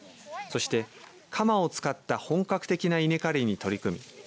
そして鎌を使った本格的な稲刈りに取り組み